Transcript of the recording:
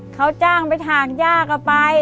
เขาจ้างไปถากยากละไป